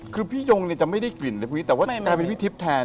คือพี่ยงจะไม่ได้กลิ่นในวันนั้นแต่ว่าอาทิตย์อยู่ทิศแทน